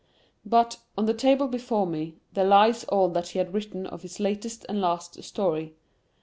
But, on the table before me, there lies all that he had written of his latest and last story.